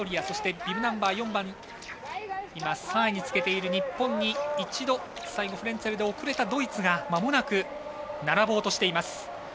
そして、ビブナンバー４番３位につけている日本に、一度フレンツェルで遅れたドイツがまもなく並ぼうとしています。